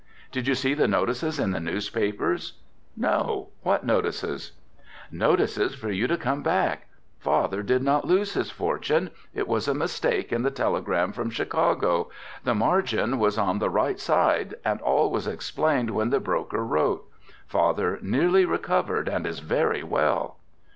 "Did you see the notices in the newspapers?" "No, what notices?" "Notices for you to come back. Father did not lose his fortune. It was a mistake in the telegram from Chicago, the margin was on the right side and all was explained when the broker wrote. Father nearly recovered and is very well."